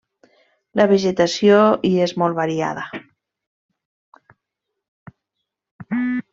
La vegetació hi és molt variada.